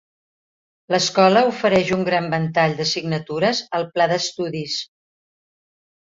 L'escola ofereix un gran ventall d'assignatures al pla d'estudis.